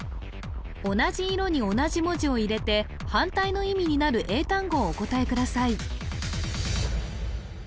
同じ色に同じ文字を入れて反対の意味になる英単語をお答えください